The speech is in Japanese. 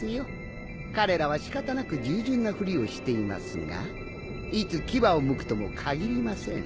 彼らは仕方なく従順なふりをしていますがいつ牙をむくともかぎりません。